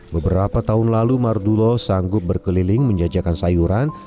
beberapa tahun lalu mardulo sanggup berkeliling menjajakan sayuran